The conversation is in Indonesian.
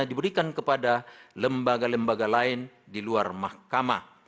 diberikan kepada lembaga lembaga lain di luar mahkamah